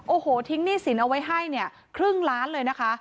โอ้โหทิ้งหนี้สินเอาไว้ให้เนี่ยครึ่งล้านเลยนะคะ